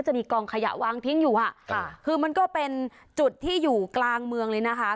จะมีกองขยะวางทิ้งอยู่ค่ะคือมันก็เป็นจุดที่อยู่กลางเมืองเลยนะคะ